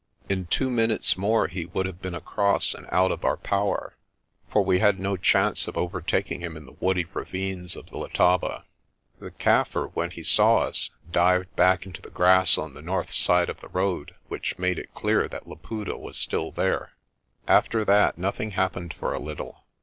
In two minutes more he would have been across and out of our power, for we had no chance of overtaking him in the woody ravines of the Letaba. The Kaffir, when he saw us, dived back into the grass on the north side of the road, which made it clear that Laputa was still there. After that nothing happened for a little.